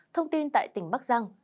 thông tin tại tỉnh bắc giang